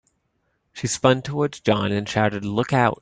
She spun towards John and shouted, "Look Out!"